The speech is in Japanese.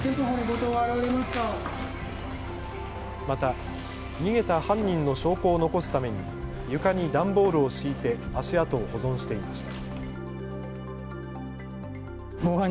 また、逃げた犯人の証拠を残すために床に段ボールを敷いて足跡を保存していました。